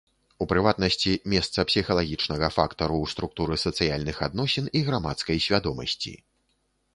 У прыватнасці, месца псіхалагічнага фактару ў структуры сацыяльных адносін і грамадскай свядомасці.